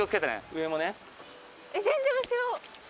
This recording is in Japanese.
全然後ろ。